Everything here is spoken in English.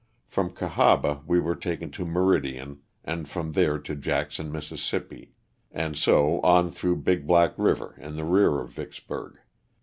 From Cahaba we were taken to Meridian and from there to Jackson, Miss., and so on through Big Black river, in the rear of Vicksburg.